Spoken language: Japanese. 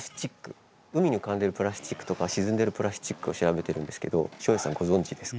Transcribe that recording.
海に浮かんでいるプラスチックとか沈んでいるプラスチックを調べてるんですけど照英さんご存じですか？